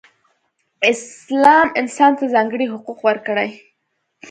اسلام انسان ته ځانګړې حقوق ورکړئ.